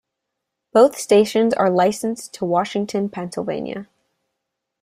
Both stations are licensed to Washington, Pennsylvania.